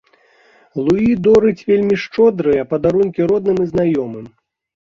Луі дорыць вельмі шчодрыя падарункі родным і знаёмым.